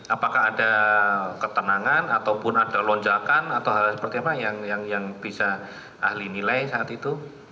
apakah ada ketenangan ataupun ada lonjakan atau hal seperti apa yang bisa ahli nilai saat itu